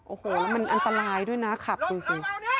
โอ้โหแล้วมันอันตรายด้วยนะขับดูสิ